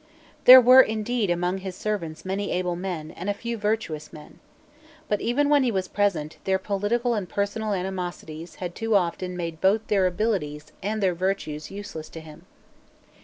There were indeed among his servants many able men and a few virtuous men. But, even when he was present, their political and personal animosities had too often made both their abilities and their virtues useless to him.